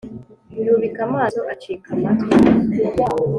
yubika amaso, akica amatwi,